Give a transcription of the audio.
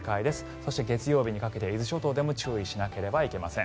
そして月曜日にかけて伊豆諸島でも注意しなければいけません。